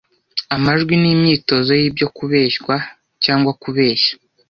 Amajwi ni imyitozo yibyo Kubeshya cyangwa Kubeshya